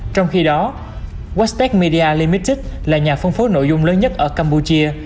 trong khi đó westec media ltd là nhà phân phối nội dung lớn nhất ở campuchia